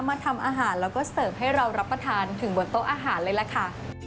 มาทำอาหารแล้วก็เสิร์ฟให้เรารับประทานถึงบนโต๊ะอาหารเลยล่ะค่ะ